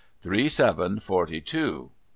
Three, seven, forty two !